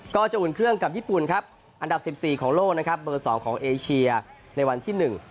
อุ่นเครื่องกับญี่ปุ่นครับอันดับสิบสี่ของโลกนะครับเบอร์สองของเอเชียในวันที่หนึ่ง